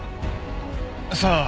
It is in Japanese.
さあ？